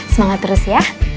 semangat terus ya